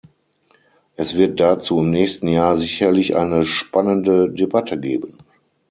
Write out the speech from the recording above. Es wird dazu im nächsten Jahr sicherlich eine spannende Debatte geben.